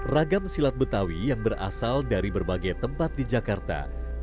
ragam silat betawi yang berasal dari berbagai tempat di jakarta